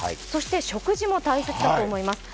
食事も大切だと思います。